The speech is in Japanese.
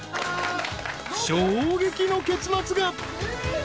［衝撃の結末が］